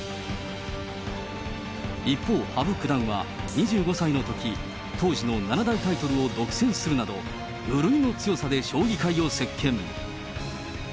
一方、羽生九段は、２５歳のとき、当時の七大タイトルを独占するなど、無類の強さで将棋界を席巻。